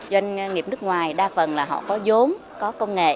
doanh nghiệp nước ngoài đa phần là họ có vốn có công nghệ